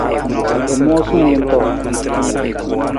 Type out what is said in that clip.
I moosa wutung.